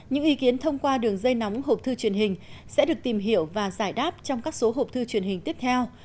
những ý kiến thông qua đường dây nóng hộp thư truyền hình sẽ được tìm hiểu và giải đáp trong các số hộp thư truyền hình tiếp theo